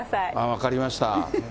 分かりました。